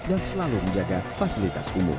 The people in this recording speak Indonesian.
dan selalu menjaga fasilitas umum